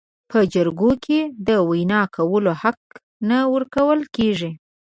په جرګو کې د وینا کولو حق نه ورکول کیږي.